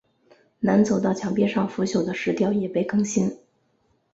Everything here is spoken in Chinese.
南走道墙壁上腐朽的石雕也被更新。